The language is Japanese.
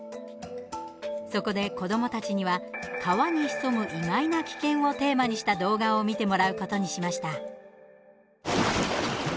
そこで子どもたちには川に潜む意外な危険をテーマにした動画を見てもらうことにしました。